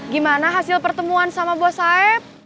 gimana hasil pertemuan sama bos saib